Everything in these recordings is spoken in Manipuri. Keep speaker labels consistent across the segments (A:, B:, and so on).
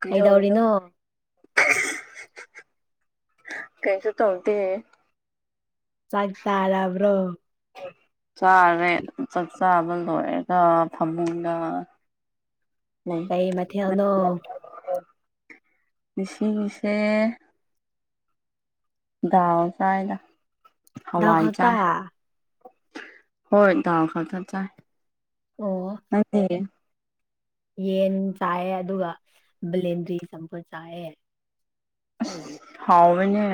A: ꯀꯩꯗꯧꯔꯅꯣ
B: ꯀꯩꯗꯧꯔꯤꯅꯣ
A: ꯀꯩꯁꯨ ꯇ ꯍꯧꯇ
B: ꯆꯥꯏ ꯇꯔꯕ꯭ꯔꯣ
A: ꯆꯥꯔꯦ ꯆꯥꯛ ꯆꯥꯕ ꯂꯣꯏꯔꯒ ꯐꯃꯨꯡꯗ
B: ꯀꯩ
A: [unintelligible]
B: ꯃꯊꯦꯜꯅꯣ
A: ꯉꯥꯁꯤꯒꯤꯁꯦ ꯗꯥꯜ ꯆꯥꯏꯗ
B: ꯗꯥꯜ
A: ꯍꯋꯥꯏ
B: ꯈꯛꯇ
A: ꯆꯥꯏ ꯍꯣꯏ ꯊꯎ ꯈ ꯈ ꯆꯥꯏ
B: ꯑꯣ
A: ꯑꯗꯨ
B: ꯌꯦꯟ ꯆꯥꯏꯌꯦ ꯑꯗꯨꯒ ꯕꯂꯦꯟꯗ꯭ꯔꯤ ꯆꯝꯐꯨꯠ ꯆꯥꯏꯌꯦ
A: ꯑꯁ ꯍꯥꯎꯋꯦꯅꯦ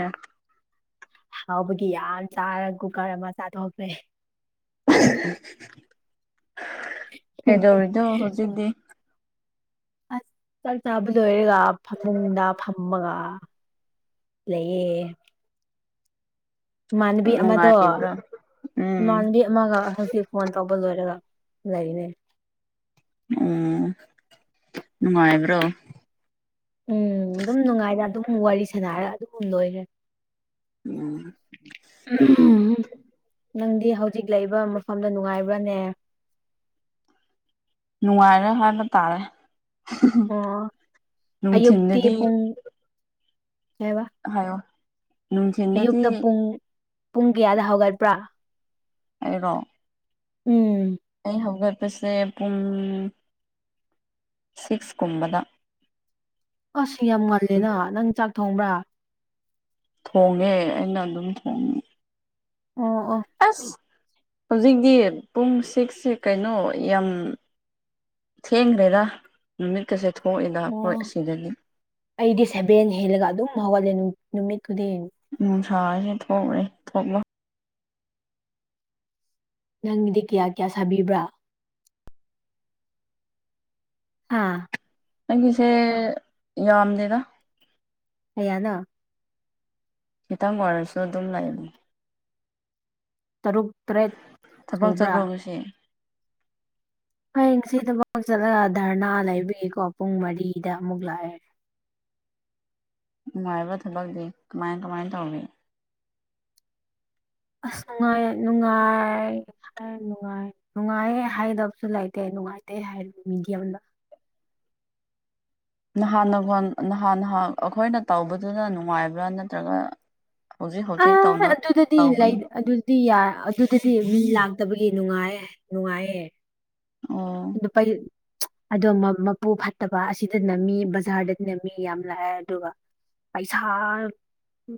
B: ꯍꯥꯎꯕꯒꯤ ꯌꯥꯝ ꯆꯥꯔ ꯀꯨꯀꯔ ꯑꯃ ꯆꯥꯥꯊꯣꯛꯈ꯭ꯔꯦ [unintelligible]
A: ꯑꯗꯨꯗꯤ
B: ꯑꯁ ꯆꯥꯛ ꯆꯥꯕ ꯂꯣꯏꯔꯒ ꯐꯃꯨꯡꯗ ꯐꯝꯃꯒ ꯂꯩꯌꯦ ꯏꯃꯥꯟꯕꯤ ꯑꯃꯗꯣ
A: ꯅꯨꯡꯉꯥꯏꯔꯤꯕ꯭ꯔꯣ ꯎꯝ
B: ꯏꯃꯥꯟꯕꯤ ꯑꯃꯒ ꯑꯍꯜꯁꯦ ꯐꯣꯟ ꯇꯧꯕ ꯂꯣꯏꯔꯒ ꯂꯩꯔꯦ
A: ꯑꯣ ꯅꯨꯡꯉꯥꯏꯕ꯭ꯔꯣ
B: ꯎꯝ ꯑꯗꯨꯝ ꯅꯨꯡꯉꯥꯏꯔ ꯑꯗꯨꯝ ꯋꯥꯔꯤ ꯁꯥꯟꯅꯔ ꯑꯗꯨꯝ ꯂꯣꯏꯈ꯭ꯔꯦ
A: ꯎꯝ
B: ꯅꯪꯗꯤ ꯍꯧꯖꯤꯛ ꯂꯩꯕ ꯃꯐꯝꯗ ꯅꯨꯡꯉꯥꯏꯕ꯭ꯔꯥꯅꯦ
A: ꯅꯨꯡꯉꯥꯏꯔꯦ ꯍꯥꯏꯅ ꯇꯥꯔꯦ
B: ꯑꯣ ꯑꯌꯨꯛꯇꯛꯇ
A: ꯅꯨꯡꯊꯤꯟꯗꯗꯤ
B: ꯄꯨꯡꯨꯡ ꯀꯕ
A: ꯍꯥꯏꯌꯣ ꯅꯨꯡꯊꯤꯟꯗꯗꯤ
B: ꯑꯌꯨꯛꯇ ꯄꯨꯡ ꯄꯨꯡ ꯀꯌꯥꯗ ꯍꯧꯒꯠꯄ꯭ꯔꯥ
A: ꯑꯩꯔꯣ
B: ꯎꯝ
A: ꯑꯩ ꯍꯧꯒꯠꯄꯁꯦ ꯄꯨꯡ ꯁꯤꯛꯁꯀꯨꯝꯕꯗ
B: ꯑꯁ ꯌꯥꯝ ꯉꯜꯂꯦꯅ ꯅꯪ ꯆꯥꯛ ꯊꯣꯡꯕ꯭ꯔꯥ
A: ꯊꯣꯡꯉꯦ ꯑꯩꯅ ꯑꯗꯨꯝ ꯊꯣꯡꯉ
B: ꯑꯣ ꯑꯣ
A: ꯑꯁ ꯍꯧꯖꯤꯛꯇꯤ ꯄꯨꯡ ꯁꯤꯛꯁꯦ ꯀꯩꯅꯣ ꯌꯥꯝ ꯊꯦꯡꯒꯔꯦꯗ ꯅꯨꯃꯤꯠꯀꯁꯦ ꯊꯣꯛꯑꯦꯗ ꯑꯈꯣꯏ
B: ꯑꯣ
A: ꯑꯁꯤꯗꯒꯤ
B: ꯑꯩꯗꯤ ꯁꯦꯚꯦꯟ ꯍꯦꯜꯂꯒ ꯑꯗꯨꯝ ꯍꯧꯒꯠꯂꯦ ꯅꯨꯃꯤꯠ ꯈꯨꯗꯤꯡ
A: ꯅꯨꯡꯁꯥꯖꯦ ꯊꯣꯛꯂꯦ ꯊꯣꯛꯂꯣ
B: ꯅꯪꯒꯤꯗꯤ ꯀꯌꯥ ꯀꯌꯥ ꯁꯥꯕꯤꯕ꯭ꯔꯥ ꯑꯥ
A: ꯅꯪꯒꯤꯁꯦ ꯌꯥꯝꯗꯦꯗ
B: ꯀꯌꯥꯅꯣ
A: ꯈꯤꯇꯪ ꯑꯣꯏꯔꯁꯨ ꯑꯗꯨꯝ ꯂꯩ
B: ꯇꯔꯨꯛ ꯇꯔꯦꯠ
A: ꯊꯕꯛ
B: ꯁꯨꯕ꯭ꯔꯥ
A: ꯆꯠꯕꯔꯣ ꯉꯁꯤ
B: ꯍꯌꯦꯡ ꯁꯤꯗ ꯆꯠꯂꯒ ꯙꯔꯅꯥ ꯂꯩꯕꯤꯒꯀꯣ ꯄꯨꯡ ꯃꯔꯤꯗ ꯑꯃꯨꯛ ꯂꯥꯛꯑꯦ
A: ꯅꯨꯡꯉꯥꯏꯕ ꯊꯕꯛꯇꯤ ꯀꯃꯥꯏ ꯀꯃꯥꯏꯟ ꯇꯧꯔꯤ
B: ꯑꯁ ꯅꯨꯡꯉꯥꯏ ꯅꯨꯡꯉꯥꯏ ꯅꯨꯡꯉꯥꯏ ꯅꯨꯡꯉꯥꯏ ꯍꯥꯏꯗꯕꯁꯨ ꯂꯩꯇꯦ ꯅꯨꯡꯉꯥꯏꯇꯦ ꯍꯥꯏꯔ ꯃꯤꯗꯤꯌꯝꯗ
A: ꯅꯍꯥꯟ ꯅꯍꯥꯟꯍ ꯑꯩꯈꯣꯏꯅ ꯇꯧꯕꯗꯨꯗ ꯅꯨꯡꯉꯥꯏꯕ꯭ꯔꯥ ꯅꯠꯇ꯭ꯔꯒ ꯍꯧꯖꯤꯛ ꯍꯧꯖꯤꯛ ꯇꯧꯅ ꯇꯧꯕ
B: ꯗꯤ ꯌꯥ ꯑꯗꯨꯗꯗꯤ ꯃꯤ ꯂꯥꯛꯇꯕꯒꯤ ꯅꯨꯡꯉꯥꯏꯌꯦ ꯅꯨꯡꯉꯥꯏꯌꯦ
A: ꯑꯣ
B: [unintelligible] ꯑꯗꯣ ꯃꯥ ꯃꯄꯨ ꯐꯠꯇꯕ ꯑꯁꯤꯗꯅ ꯃꯤ ꯕꯖꯥꯔꯗ ꯅꯤ ꯃꯤ ꯌꯥꯝ ꯂꯥꯛꯑꯦ ꯑꯗꯨꯒ ꯄꯩꯁꯥ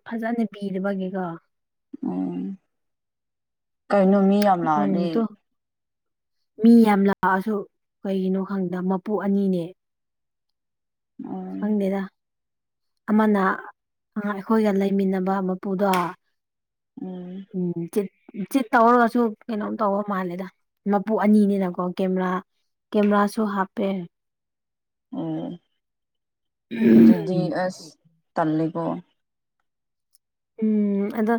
B: ꯐꯖꯅ ꯄꯤꯔꯕꯒꯤꯀꯣ
A: ꯎꯝ ꯀꯩꯅꯣ ꯃꯤ ꯌꯥꯝ ꯂꯥꯛꯑꯗꯤ
B: ꯎꯝꯇꯣ ꯃꯤ ꯌꯥꯝ ꯂꯥꯛꯑꯁꯨ ꯀꯩꯒꯤꯅꯣ ꯈꯪꯗ ꯃꯄꯨ ꯑꯅꯤꯅꯦ
A: ꯎꯝ
B: ꯐꯪꯗꯦꯗ ꯑꯃꯅ ꯑꯩꯈꯣꯏꯒ ꯂꯩꯃꯤꯟꯅꯕ ꯃꯄꯨꯗꯣ
A: ꯎꯝ
B: ꯎꯝ ꯆꯤꯠ ꯆꯤꯠ ꯇꯧꯔꯒꯁꯨ ꯀꯩꯅꯣꯝ ꯇꯧꯕ ꯃꯥꯜꯂꯦꯗ ꯃꯄꯨ ꯑꯅꯤꯅꯤꯅꯀꯣ ꯀꯦꯃꯦꯔꯥ ꯀꯦꯃꯦꯔꯥꯁꯨ ꯍꯥꯞꯄꯦ
A: ꯑꯣ ꯑꯗꯨꯗꯤ ꯑꯁ ꯇꯜꯂꯦꯀꯣ
B: ꯎꯝ ꯑꯗꯣ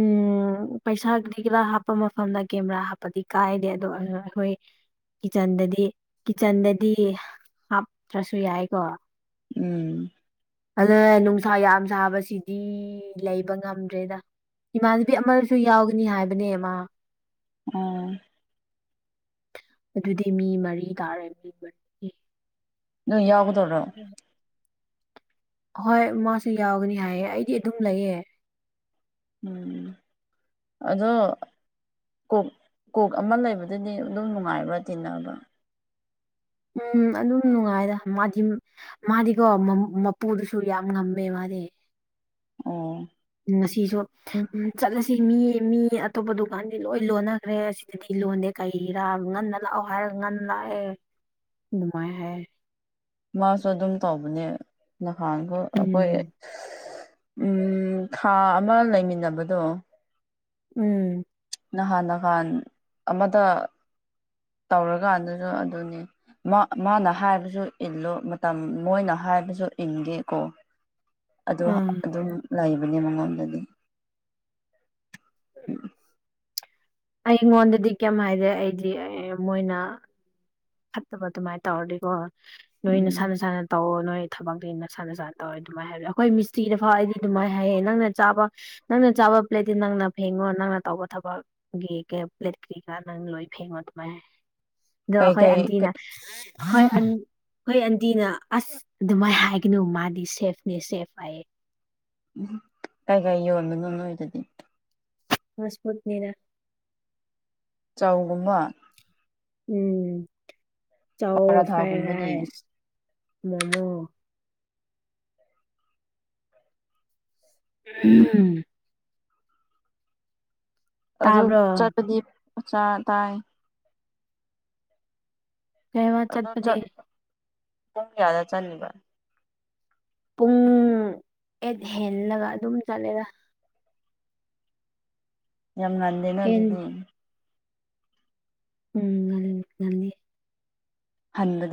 B: ꯎꯝ ꯄꯩꯁꯥꯒꯤꯗꯤ ꯈꯔꯥ ꯍꯥꯞꯄ ꯃꯐꯝꯗ ꯀꯦꯃꯦꯔꯥ ꯍꯥꯞꯄꯗꯤ ꯀꯥꯏꯗꯦ ꯑꯗꯣ ꯑꯩꯈꯣꯏ ꯀꯤꯠꯆꯟꯗꯗꯤ ꯀꯤꯠꯆꯟꯗꯗꯤ ꯍꯥꯞꯇ꯭ꯔꯁꯨ ꯌꯥꯏꯀꯣ
A: ꯎꯝ
B: ꯑꯗ ꯅꯨꯡꯁꯥ ꯌꯥꯝ ꯁꯥꯕꯁꯤꯗꯤ ꯂꯩꯕ ꯉꯝꯗ꯭ꯔꯦꯗ ꯏꯃꯥꯟꯅꯕꯤ ꯑꯃꯁꯨ ꯌꯥꯎꯒꯅꯤ ꯍꯥꯏꯕꯅꯦꯃ
A: ꯎꯝ
B: ꯑꯗꯨꯗꯤ ꯃꯤ ꯃꯔꯤ ꯇꯥꯔꯦ
A: ꯅꯣꯏ ꯌꯥꯎꯒꯗꯣꯔꯣ
B: ꯍꯣꯏ ꯃꯥꯁꯨ ꯌꯥꯎꯒꯅꯤ ꯍꯥꯏꯌꯦ ꯑꯩꯗꯤ ꯑꯗꯨꯝ ꯂꯩꯑꯦ
A: ꯎꯝ ꯑꯗꯣ ꯀꯣꯛ ꯀꯣꯛ ꯑꯃ ꯂꯩꯕꯗꯗꯤ ꯑꯗꯨꯝ ꯅꯨꯡꯉꯥꯏꯕ ꯇꯤꯟꯅꯕ
B: ꯎꯝ ꯑꯗꯨꯝ ꯅꯨꯡꯉꯥꯏꯗ ꯃꯥꯗꯤ ꯃꯥꯗꯤꯀꯣ ꯃꯄꯨꯗꯨꯁꯨ ꯌꯥꯝ ꯉꯝꯃꯦ ꯃꯥꯅꯦ
A: ꯑꯣ
B: ꯉꯁꯤꯁꯨ ꯆꯠꯂꯁꯤ ꯁꯤ ꯃꯤ ꯃꯤ ꯑꯇꯣꯞꯄ ꯗꯨꯀꯥꯟꯗꯤ ꯂꯣꯏ ꯂꯣꯟꯅꯈ꯭ꯔꯦ ꯁꯤꯗꯗꯤ ꯂꯣꯟꯗꯦ ꯀꯩꯔꯥ ꯉꯟꯅ ꯂꯑꯣꯍꯥꯏ ꯉꯥꯟ ꯂꯥꯛꯑꯌꯦ ꯅꯅꯨꯡꯉꯥꯏ ꯍꯥꯏꯌꯦ
A: ꯃꯥꯁꯨ ꯑꯗꯨꯝ ꯇꯧꯕꯅꯦ ꯅꯍꯥꯟꯁꯨ ꯑꯩꯈꯣꯏ
B: ꯎꯝ
A: ꯎꯝ ꯊꯥ ꯑꯃ ꯂꯩꯃꯤꯟꯅꯕꯗꯣ
B: ꯎꯝ
A: ꯅꯍꯥꯟ ꯅꯍꯥꯟ ꯑꯃꯗ ꯇꯧꯔꯀꯥꯟ ꯑꯗꯨꯁꯨ ꯑꯗꯨꯅꯤ ꯃꯥꯅ ꯍꯥꯏꯕꯁꯨ ꯏꯜꯂꯨ ꯃꯇꯝ ꯃꯣꯏꯅ ꯍꯥꯏꯕꯁꯨ ꯏꯟꯗꯦ ꯀꯣ [inaudible] [unintelligible] ꯑꯗꯣ
B: ꯎꯝ
A: ꯑꯗꯨꯝ ꯂꯩꯕꯅꯦ ꯃꯉꯣꯟꯗꯗꯤ ꯎꯝ
B: ꯑꯩꯉꯣꯟꯗꯗꯤ ꯀꯩ ꯍꯥꯏꯔꯦ ꯑꯩꯗꯤ ꯃꯣꯏꯅ ꯐꯠꯇꯕ ꯑꯗꯨꯃꯥꯏꯅ ꯇꯧꯔꯗꯤꯀꯣ ꯅꯣꯏ ꯅ
A: ꯎꯝ
B: ꯁꯥꯟꯅ ꯁꯥꯟꯅ ꯇꯧ ꯅꯣꯏ ꯊꯕꯛꯇꯨ ꯅꯁꯥ ꯅꯁꯥ ꯇꯧꯋꯦ ꯑꯗꯨꯃꯥꯏꯅ ꯍꯥꯏꯕ ꯑꯩꯈꯣꯏ ꯃꯤꯁꯇꯤꯔꯤꯗ ꯐꯥꯎ ꯑꯩꯗꯤ ꯑꯗꯨꯃꯥꯏꯅ ꯍꯥꯏꯌꯦ ꯅꯪꯅ ꯆꯥꯕ ꯅꯪꯅ ꯆꯥꯕ ꯄ꯭ꯂꯦꯠꯇꯤ ꯅꯪꯅ ꯐꯦꯡꯉꯣ ꯅꯪꯅ ꯇꯧꯕ ꯊꯕꯛ ꯒꯤ ꯄ꯭ꯂꯦꯠ ꯀꯩꯀꯥ ꯅꯪ ꯂꯣꯏ ꯐꯦꯡꯉꯣ ꯑꯗꯨꯃꯥꯏꯅ ꯑꯗꯣ ꯑꯩꯈꯣꯏ
A: ꯀꯩꯀꯩ
B: ꯑꯟꯇꯤꯅ
A: ꯀꯩ-
B: ꯍꯣꯏ ꯍꯣꯏ ꯑꯟꯇꯤꯅ ꯑꯁ ꯑꯗꯨꯃꯥꯏꯅ ꯍꯥꯏꯒꯅꯨ ꯃꯥꯗꯤ ꯁꯦꯐꯅꯦ ꯁꯦꯐ ꯍꯥꯏꯌꯦ
A: ꯎꯝ ꯀꯥꯏ ꯀꯥꯏ ꯌꯣꯟꯕꯅꯣ ꯅꯣꯏꯗꯗꯤ
B: ꯍꯁꯄꯠꯅꯤꯔ
A: ꯆꯥꯎꯕꯉꯥ
B: ꯎꯝ ꯆ ꯐ꯭ꯔꯥꯏ
A: ꯄꯔꯥꯊꯥꯒꯨꯝꯕꯗꯤ
B: ꯔꯥꯏꯁ ꯃꯣꯃꯣ ꯎꯝ
A: ꯑꯗꯨ
B: ꯇꯥꯕ꯭ꯔꯣ
A: ꯆꯠꯄꯗꯤ ꯃꯆꯥ ꯇꯥꯏ
B: ꯀꯩꯕ
A: ꯑꯗꯨꯣ
B: ꯆꯠꯄꯗꯤ
A: ꯄꯨꯡ ꯀꯌꯥꯗ ꯆꯠꯂꯤꯕ
B: ꯄꯨꯡ ꯑꯦꯠ ꯍꯦꯜꯂꯒ ꯑꯗꯨꯝ ꯆꯠꯂꯦꯔ
A: ꯌꯥꯝ ꯉꯥꯟꯗꯦꯅ
B: ꯑꯦꯟ
A: ꯑꯗꯨꯗꯤ
B: ꯎꯝ ꯉꯅꯤ ꯉꯅꯤ
A: ꯍꯟꯗꯤ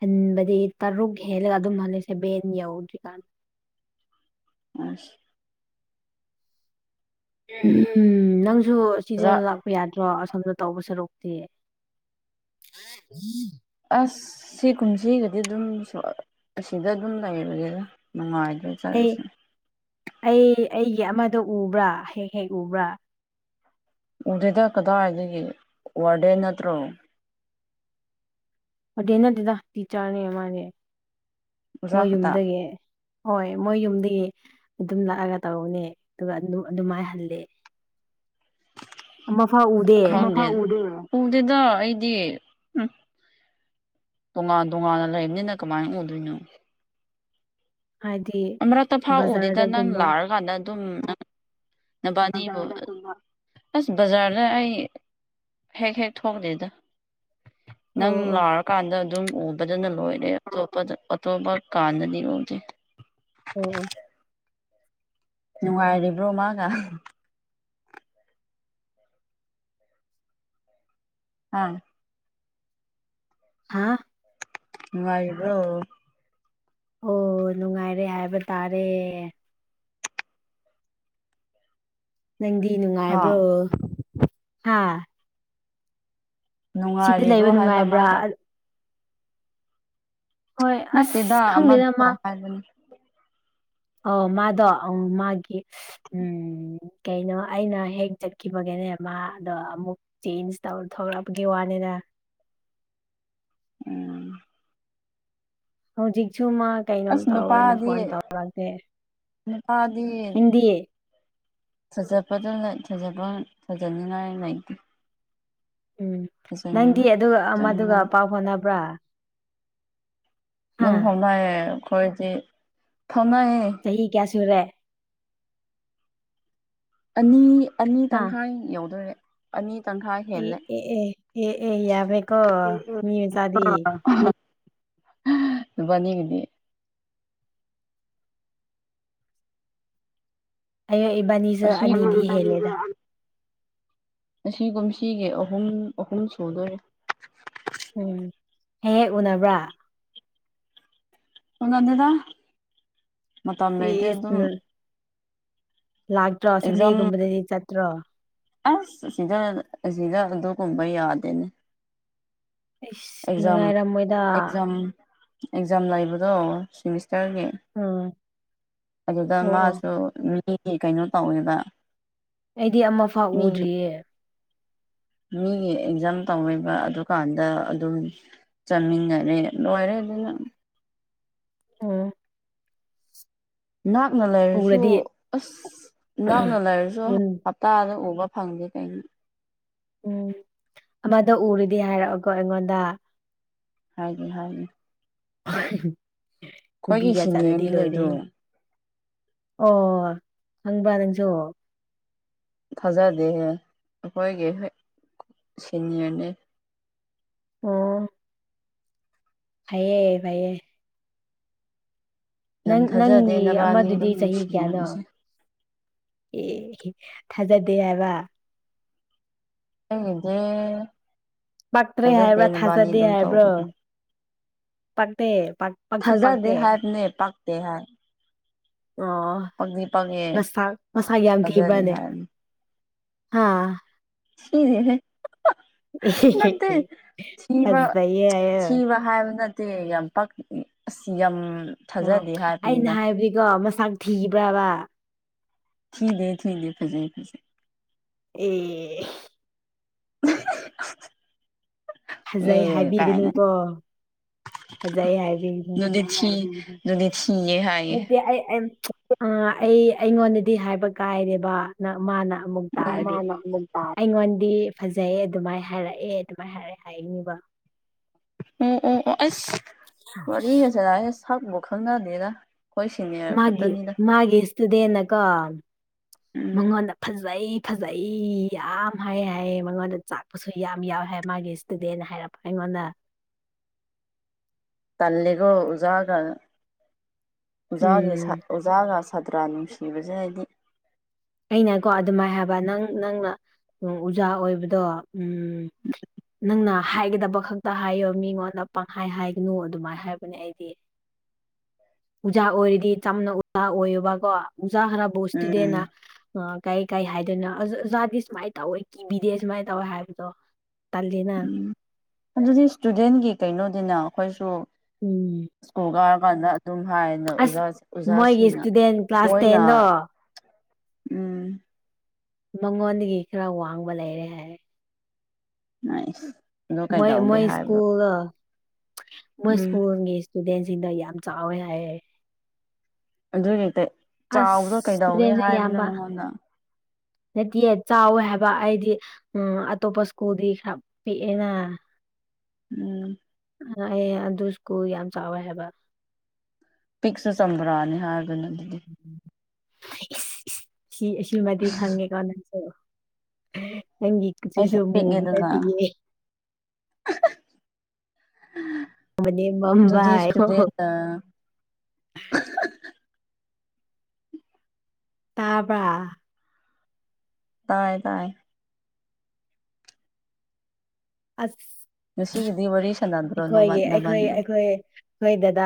B: ꯍꯟꯕꯗꯤ ꯇꯔꯨꯛ ꯍꯦꯜꯂꯒ ꯑꯗꯨꯝ ꯍꯂꯜꯂꯤꯁꯦ ꯕꯦꯟ ꯌꯧꯗ꯭ꯔꯤꯀꯥꯟꯗ
A: ꯑ
B: ꯝ ꯅꯪꯁꯨ ꯁꯤꯗ
A: ꯑꯣꯖꯥ
B: ꯂ ꯂ ꯌꯥꯗ꯭ꯔꯣ ꯑꯁꯣꯝꯗ ꯇꯧꯕ ꯁꯔꯨꯛꯇꯤ
A: ꯑꯁ ꯁꯤ ꯀꯨꯝꯁꯤꯒꯗꯤ ꯑꯗꯨꯝ ꯑꯁꯤꯗ ꯑꯗꯨꯝ ꯂꯩꯕꯒꯤꯗ ꯅꯨꯡꯉꯥꯏꯗꯣꯏ
B: ꯑꯩ ꯑꯩ ꯑꯩꯒꯤ ꯑꯃꯗ ꯎꯕ꯭ꯔꯥ ꯍꯦꯛ ꯍꯦꯛ ꯎꯕ꯭ꯔꯥ
A: ꯃꯗ ꯀꯗꯥꯏꯗꯒꯤ ꯋꯥꯔꯗꯦꯟ ꯅꯠꯇ꯭ꯔꯣ
B: ꯐꯗꯦ ꯅꯠꯇꯦꯗ ꯇꯤꯆꯥꯔꯅꯦ ꯃꯥꯅꯦ
A: ꯑꯣꯖꯥ
B: ꯃꯣꯏ
A: ꯈꯛꯇ
B: ꯌꯨꯝꯗꯒꯤ ꯍꯣꯏ ꯃꯣꯏ ꯌꯨꯝꯗꯒꯤ ꯑꯗꯨꯝ ꯂꯥꯛꯑꯒ ꯇꯧꯕꯅꯦ ꯑꯗꯨꯒ ꯑꯗꯨꯝ ꯑꯗꯨꯝꯃꯥꯏꯅꯍꯜꯂꯦ ꯑꯃ ꯐꯥꯎꯎꯗꯦ
A: ꯎꯗꯗ ꯑꯩꯗꯤ ꯎꯝ ꯇꯣꯉꯥꯟ ꯇꯣꯉꯥꯟꯅ ꯂꯩꯔꯕꯅꯤꯅ ꯀꯃꯥꯏꯅ ꯎꯗꯣꯏꯅꯣ
B: ꯍꯥꯏꯗꯤ
A: ꯑꯃꯛꯇ ꯐꯥꯎꯎꯗꯨꯗ ꯅꯪ
B: ꯕꯖꯥꯔꯗꯒꯨꯝꯕ
A: ꯂꯥꯛꯑꯀꯥꯟꯗ ꯑꯗꯨꯝ ꯅꯕꯥꯅꯤ ꯑꯁ ꯕꯖꯥꯔꯗ ꯑꯩ ꯍꯦꯛ ꯍꯦꯛ ꯊꯣꯛꯂꯦꯗ
B: ꯑꯣ
A: ꯅꯪ
B: ꯑꯣ ꯑꯣ
A: ꯂꯥꯛꯔꯀꯥꯟꯗ ꯑꯗꯨꯝ ꯎꯕꯗꯅ ꯂꯣꯏꯔꯦ ꯑꯇꯣꯞꯄꯗ ꯑꯇꯣꯞꯄ ꯀꯥꯟꯗꯗꯤ ꯎꯗꯦ
B: ꯑꯣ ꯑꯣ
A: ꯅꯨꯡꯉꯥꯏꯔꯤꯕ꯭ꯔꯣ ꯃꯥꯒ ꯑꯥ
B: ꯍꯥ
A: ꯋꯥꯏꯕ꯭ꯔꯣ
B: ꯑꯣ ꯅꯨꯡꯉꯥꯏꯔꯦ ꯍꯥꯏꯕ ꯇꯥꯔꯦ ꯅꯪꯗꯤ
A: ꯍꯥ
B: ꯅꯨꯡꯉꯥꯏꯕ꯭ꯔꯣ ꯍꯥ ꯁꯤꯗꯤ
A: ꯅꯨꯡꯉꯥꯏꯔꯤꯕ꯭ꯔꯣ
B: ꯂꯩꯕ
A: ꯍꯥꯏꯕ
B: ꯅꯨꯡꯉꯥꯏꯕ꯭ꯔꯥ
A: ꯃꯥꯒ
B: ꯍꯣꯏ ꯑꯁ ꯈꯪꯗꯦ ꯅꯃ
A: ꯑꯅꯤ
B: ꯑꯣ ꯃꯥꯗ ꯃꯥꯒꯤꯦ ꯎꯝ ꯀꯩꯅꯣ ꯑꯩꯅ ꯍꯦꯛ ꯆꯠꯈꯤꯕꯒꯦꯅꯦ ꯃꯥ ꯑꯗꯣ ꯑꯃꯨꯛ ꯆꯦꯟꯖ ꯇꯧꯔ ꯊꯂꯛꯑꯒꯤ ꯋꯥꯅꯤꯗ
A: ꯎꯝ
B: ꯍꯧꯖꯤꯛ ꯖꯨꯃ ꯀꯩꯅꯣꯝ
A: ꯑꯁ
B: ꯇꯧꯋꯦꯅ
A: ꯅꯨꯄꯥꯗꯤ
B: ꯐꯣꯟ ꯇꯧꯔꯛꯇꯦ
A: ꯅꯨꯄꯥꯗꯤ
B: ꯍꯤꯟꯗꯤ
A: ꯊꯥꯖꯕꯗ ꯊꯖꯕ ꯊꯖꯅꯤꯡꯉꯥꯏ ꯂꯩꯇꯦ
B: ꯎꯝ ꯅꯪꯗꯤ ꯑꯗꯨꯒ ꯃꯗꯨꯒ
A: ꯊꯥꯖꯅꯤꯡꯉꯥꯏ
B: ꯄꯥꯎ ꯐꯥꯎꯅꯕ꯭ꯔꯥ ꯍꯥ
A: ꯑꯗꯨꯝ ꯍꯣꯡꯅꯌꯦ ꯑꯩꯈꯣꯏꯗꯤ ꯐꯝꯅꯌꯦ
B: ꯆꯍꯤ ꯀꯌꯥ ꯁꯟꯔꯦ
A: ꯑꯅꯤ ꯑꯅꯤ
B: ꯍꯥ
A: ꯇꯪꯈꯥꯏ ꯌꯥꯎꯗꯣꯔꯦ ꯑꯅꯤ ꯇꯪꯈꯥꯏ
B: ꯑꯦ
A: ꯍꯦꯜꯂꯦ
B: ꯑꯦ ꯑꯦ ꯑꯦ ꯑꯦ ꯌꯥꯕꯦꯀꯣ ꯃꯤ ꯃꯆꯥꯗꯤ
A: ꯑꯗꯨꯕꯥꯅꯤꯒꯗꯤ
B: ꯑꯣ ꯏꯕꯥꯅꯤ
A: ꯑꯁꯤ ꯉꯁꯤ ꯀꯨꯝꯁꯤꯒꯤ ꯑꯍꯨꯝ ꯑꯍꯨꯝ ꯁꯨꯗꯣꯔꯤ
B: ꯎꯝ ꯍꯦꯛ ꯍꯦꯛ ꯎꯅꯕ꯭ꯔꯥ
A: ꯀ ꯑꯗꯨꯗ ꯃꯇꯝ ꯂꯩꯗꯤꯦ ꯑꯗꯨꯝ
B: ꯏꯁ ꯂꯥꯛꯇ꯭ꯔꯣ
A: ꯑꯦꯛꯖꯥꯝ
B: ꯁꯟꯗꯦꯒꯨꯝꯕꯗꯗꯤ ꯆꯠꯇ꯭ꯔꯣ
A: ꯑꯁ ꯁꯤꯗ ꯁꯤꯗ ꯑꯣꯗꯣ ꯀꯨꯝꯄ ꯌꯥꯔꯗꯅꯦ
B: ꯑꯩꯁ
A: ꯑꯦꯛꯖꯥꯝ
B: ꯅꯨꯡꯉꯥꯏꯔꯝꯃꯣꯏꯗ
A: ꯑꯦꯛꯖꯝ ꯑꯦꯛꯖꯥꯝ ꯂꯩꯕꯗꯣ ꯁꯤꯦꯃꯤꯁꯇꯔꯒꯤ
B: ꯎꯝ
A: ꯑꯗꯨꯗ
B: ꯑꯣ ꯑꯣ
A: ꯃꯥꯁꯨ ꯃꯤ ꯀꯩꯅꯣ ꯇꯧꯋꯦꯕ
B: ꯑꯩꯗꯤ ꯑꯃꯐꯥꯎ
A: ꯃꯤꯒꯤ
B: ꯎꯗ꯭ꯔꯤꯌꯦ
A: ꯃꯤꯒꯤ ꯑꯦꯛꯖꯥꯝ ꯇꯧꯕ ꯑꯗꯨꯀꯥꯟꯗ ꯑꯗꯨꯝ ꯆꯥꯃꯤꯟꯅꯔꯦ ꯂꯣꯏꯔꯦ ꯑꯗꯨꯅ
B: [unintelligible]
A: ꯅꯛꯅ ꯂꯩꯔꯁꯨ
B: ꯎꯔꯗꯤ
A: ꯑꯁ ꯅꯛꯅ ꯂꯩꯔꯁꯨ
B: ꯎꯝ
A: ꯇꯥꯗ ꯎꯕ ꯐꯪꯗꯦ ꯀꯩꯅꯤ
B: ꯎꯝ ꯑꯃꯗ ꯎꯔꯗꯤ ꯍꯥꯏꯔꯛꯑꯣꯒꯣ ꯑꯩꯉꯣꯟꯗ
A: ꯍꯥꯏꯒꯦ ꯍꯥꯏꯒꯦ ꯑꯩꯈꯣꯏꯒꯤ
B: ꯕꯤꯒꯥ ꯆꯔꯥꯗꯤ
A: ꯁꯤꯅꯤꯌꯔꯅꯤꯅꯦ ꯑꯗꯨ
B: ꯂꯣꯏꯔꯦꯦ ꯑꯣ ꯍꯪꯕ ꯅꯪꯁꯨ
A: ꯊꯥꯖꯗꯦꯍꯦ ꯑꯩꯈꯣꯏꯒꯤ ꯍꯣꯏ ꯁꯤꯅꯤꯌꯔꯅꯤ
B: [unintelligible] ꯍꯥꯏꯌꯦꯑꯌꯦ ꯐꯌꯦ ꯅꯪ
A: ꯌꯥꯝ ꯊꯥꯖꯗꯦ
B: ꯅꯪꯒꯤ
A: ꯅꯕꯥꯅꯤ
B: ꯑꯃꯗꯨꯗꯤ
A: ꯑꯗꯨꯝ
B: ꯆꯍꯤ ꯀꯌꯥꯅꯣ
A: ꯅꯨꯡꯁꯤꯅꯕꯁꯦ
B: ꯑꯦ ꯊꯥꯖꯗꯦ ꯍꯥꯏꯕ
A: [unintelligible]
B: ꯄꯥꯛꯇ꯭ꯔꯦ
A: ꯊꯥꯖꯗꯦ
B: ꯍꯥꯏꯕ꯭ꯔꯥ
A: ꯅꯕꯥꯅꯤ
B: ꯊꯥꯖꯗꯦ
A: ꯑꯗꯨꯝ
B: ꯍꯥꯏꯕ꯭ꯔꯣ
A: ꯇꯧꯕꯗꯣ
B: ꯄꯠꯇꯦ ꯄꯛꯁꯨ
A: ꯊꯥꯖꯗꯦ
B: ꯄꯇꯦ
A: ꯍꯥꯏꯕꯅꯦ ꯄꯛꯇꯦ ꯍꯥꯏ
B: ꯑꯣ
A: ꯄꯛꯇꯤ ꯄꯛꯉꯦ
B: ꯅꯁꯥ ꯃꯁꯥꯒ ꯌꯥꯝ
A: ꯊꯥꯖꯗꯦ
B: ꯊꯤꯕ꯭ꯔꯅꯦ
A: ꯍꯥꯏꯕꯅꯤ
B: ꯍꯥꯥ
A: ꯊꯤꯗꯦ ꯍꯦ ꯅꯠꯇꯦ ꯊꯤꯕ
B: ꯐꯖꯩꯌꯦ ꯍꯥꯏꯌꯦ
A: ꯊꯤꯕ ꯍꯥꯏꯕ ꯅꯠꯇꯦ ꯌꯥꯝ ꯄꯛ ꯑꯁ ꯌꯥꯝ
B: ꯑꯣ
A: ꯊꯥꯖꯗꯦ
B: ꯑꯩꯅ
A: ꯍꯥꯏꯕꯅꯤꯗ
B: ꯍꯥꯏꯕꯗꯤꯀꯣ ꯃꯁꯥꯛ ꯊꯤꯕ꯭ꯔꯕꯥ
A: ꯊꯤꯗꯦ ꯊꯤꯗꯦ ꯐꯖꯩ ꯐꯖꯩ
B: ꯑ‌ꯦ ꯐꯖꯩ
A: ꯑꯦ ꯀꯥꯏꯅ
B: ꯍꯥꯏꯕꯤꯒꯅꯨꯀꯣ ꯐꯖꯩ ꯍꯥꯏꯕꯤꯒꯅꯨ
A: ꯑꯗꯨꯗꯤ ꯊꯤ ꯑꯗꯨꯗꯤ ꯊꯤꯌꯦ ꯍꯥꯏꯌꯦ
B: [unintelligible] ꯑ ꯑꯩ ꯑꯩꯉꯣꯟꯗꯗꯤ ꯍꯥꯏꯕ ꯀꯥꯏꯔꯦꯕ ꯅ ꯃꯥꯅ ꯑꯃꯨꯛ
A: ꯎꯝ
B: ꯇꯥꯔꯗꯤ
A: ꯎꯝ ꯎꯝ
B: ꯑꯩꯉꯣꯟꯗꯤ ꯐꯖꯩꯌꯦ ꯑꯗꯨꯃꯥꯏ ꯍꯥꯏꯔꯛꯑꯦ ꯑꯗꯨꯃꯥꯏꯅ ꯍꯥꯏꯔꯛꯑꯦ ꯍꯥꯏꯅꯤꯕ
A: ꯑꯣ ꯑꯣ ꯑꯣ ꯑꯁ ꯋꯥꯔꯤꯒꯁꯅꯩꯁ‌ꯦ ꯁꯛꯄꯨ ꯈꯪꯅꯗꯦꯗ ꯁꯤꯅꯤꯌꯔ
B: ꯃꯥꯒꯤ
A: ꯈꯛꯇꯅꯤꯗ
B: ꯃꯥꯒꯤ ꯏꯁꯇꯨꯗꯦꯟꯅꯀꯣ
A: ꯎꯝ
B: ꯃꯉꯣꯟꯗ ꯐꯖꯩ ꯐꯖꯩ ꯌꯥꯝ ꯍꯥꯏ ꯍꯥꯏꯌꯦ ꯃꯉꯣꯟꯗ ꯆꯥꯛꯄꯁꯨ ꯌꯥꯝ ꯌꯥꯎꯋꯦ ꯍꯥꯏ ꯃꯥꯒꯤ ꯏꯁꯇꯨꯗꯦꯟ ꯍꯥꯏꯔꯄ ꯑꯩꯉꯣꯟꯗ
A: ꯇꯜꯂꯤꯀꫭ ꯎꯖꯥꯒ ꯎꯖꯥꯒꯤ
B: ꯎꯝ
A: ꯎꯖꯥꯒ ꯁꯇ꯭ꯔꯥ ꯅꯨꯡꯁꯤꯅꯕꯁ‌ꯦ ꯍꯥꯏꯗꯤ
B: ꯑꯩꯅꯀꯣ ꯑꯗꯨꯃꯥꯏꯅ ꯍꯥꯏꯕ ꯅꯪ ꯅꯪꯅ ꯎꯝ ꯎꯖꯥ ꯑꯣꯏꯕꯗꯣ ꯎꯝ ꯅꯪꯅ ꯍꯥꯏꯒꯗꯕ ꯈꯛꯇ ꯍꯥꯏꯌꯣ ꯃꯤꯉꯣꯟꯗ ꯄꯪꯍꯥꯏ ꯍꯥꯏꯒꯅꯨ ꯑꯗꯨꯃꯥꯏꯅ ꯍꯥꯏꯕꯅꯦ ꯑꯩꯗꯤ
A: [inaudible]
B: ꯎꯖꯥ ꯑꯣꯏꯔꯗꯤ ꯆꯝꯅ ꯎꯖꯥ ꯑꯣꯏꯌꯣꯕꯀꯣ ꯎꯖꯥ ꯈꯔꯕꯨ ꯁꯇꯨꯗꯦꯟꯅ
A: ꯎꯝ
B: ꯑ ꯀꯩ ꯀꯩ ꯍꯥꯏꯗꯣꯏꯅꯣ ꯑꯣꯖꯥꯗꯤ ꯁꯨꯃꯥꯏꯅ ꯇꯧꯋꯦ ꯀꯤꯕꯤꯗꯦ ꯁꯨꯃꯥꯏꯅ ꯇꯧꯋꯦ ꯍꯥꯏꯕꯗꯣ ꯇꯜꯂꯅ
A: ꯎꯝ ꯑꯗꯨꯗꯤ ꯏꯁꯇꯨꯗꯦꯟꯒꯤ ꯀꯩꯅꯣꯗꯤꯅ ꯑꯩꯈꯣꯏꯁꯨ
B: ꯎꯝ
A: ꯁ꯭ꯀꯨꯜ ꯀꯥꯏꯔ ꯀꯥꯟꯗ ꯑꯗꯨꯝ ꯍꯥꯏꯌꯦꯅ
B: ꯑꯁ
A: ꯑꯣꯖ
B: ꯃꯣꯏꯒꯤ
A: ꯑꯣꯖꯥꯁꯤꯡꯅ
B: ꯏꯁꯇꯨꯗꯦꯟ ꯀ꯭ꯂꯥꯁ
A: ꯃꯣꯏꯅ
B: ꯇꯦꯟꯗꯣ
A: ꯎꯝ
B: ꯃꯉꯣꯟꯗꯒꯤ ꯈꯔ ꯋꯥꯡꯕ ꯂꯩꯔꯦ ꯍꯥꯏꯔ‌ꯦ
A: ꯑ [unintelligible]
B: ꯃꯣꯏ ꯃꯣꯏ ꯏꯁ꯭ꯀꯨꯜ ꯂꯥ ꯃꯣꯏ
A: ꯎꯝ
B: ꯁ꯭ꯀꯨꯜꯒꯤ ꯏꯁꯇꯨꯗꯦꯟꯁꯤꯡꯗ ꯌꯥꯝ ꯆꯥꯎꯋꯦ ꯍꯥꯏꯌ‌ꯦ
A: ꯑꯗꯨꯒꯤꯗ
B: ꯑꯁ
A: ꯆꯥꯎꯕꯗꯣ ꯀꯩꯗꯧꯏꯦ
B: ꯏꯁꯇꯨꯗꯦꯟꯁꯨ
A: ꯍꯥꯏꯕꯅꯣ ꯃꯉꯣꯟꯗ
B: ꯅꯠꯇꯦ ꯆꯥꯎꯋꯦ ꯍꯥꯏꯕ ꯑꯩꯗꯤ ꯎꯝ ꯑꯇꯣꯞꯄ ꯁ꯭ꯀꯨꯜꯗꯤ ꯈꯔ ꯄꯤꯛꯑꯦꯅ
A: ꯎꯝ
B: ꯑꯩ ꯑꯗꯨ ꯏꯁꯀꯨꯜ ꯌꯥꯝ ꯆꯥꯎꯋꯦ ꯍꯥꯏꯕ
A: ꯄꯤꯛꯁꯨ ꯁ꯭ꯕꯔꯥ
B: [unintelligible] ꯁꯤ ꯁꯤꯃꯗꯤ ꯈꯪꯉꯦꯀꯅ ꯑꯣ ꯅꯪꯒꯤ ꯀꯆꯨꯁꯨ ꯃꯨꯕ ꯅꯠꯇꯤꯌꯦ ꯃꯅꯦ ꯃꯝꯕ
A: ꯑꯗꯨꯗꯨ
B: ꯍꯥꯏꯌꯣ
A: ꯏꯁꯇꯨꯗ‌ꯦꯟ ꯑꯥ
B: ꯇꯥꯕꯔꯥ
A: ꯇꯥꯏ ꯇꯥꯏꯌꯦ
B: ꯑꯁ
A: ꯉꯁꯤꯒꯤꯗꯤ ꯋꯥꯔꯤ ꯁꯥꯟꯅꯗ꯭ꯔꯣ ꯅꯣꯕꯥ
B: ꯑꯩꯈꯣꯏꯒꯤ ꯑꯩꯈꯣꯏ
A: ꯅꯕꯥꯅꯤ
B: ꯑꯩꯈꯣꯏ ꯑꯩꯈꯣꯏ ꯗꯗꯥ